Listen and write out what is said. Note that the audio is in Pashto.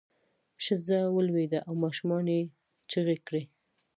ښځه ولویده او ماشومانو یې چغې کړې.